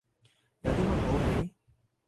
有啲乜好戯？